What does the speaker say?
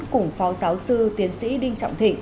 cùng phó giáo sư tiến sĩ đinh trọng thịnh